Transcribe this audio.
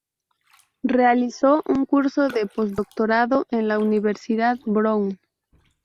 Realizó un curso de posdoctorado en la Universidad Brown.